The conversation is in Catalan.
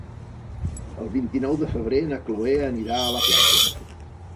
El vint-i-nou de febrer na Chloé anirà a la platja.